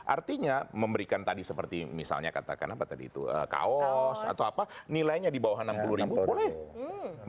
artinya memberikan tadi seperti misalnya katakan apa tadi itu kaos atau apa nilainya di bawah enam puluh ribu boleh